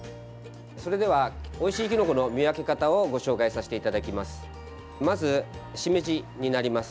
それではおいしいきのこの見分け方をご紹介させていただきます。